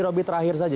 robby terakhir saja